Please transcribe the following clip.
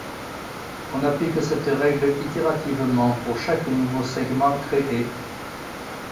On applique cette règle itérativement pour chaque nouveau segment créé.